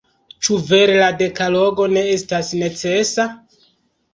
Ĉu vere la dekalogo ne estas necesa?